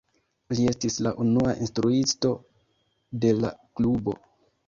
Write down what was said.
Li estis la unua instruisto de la klubo.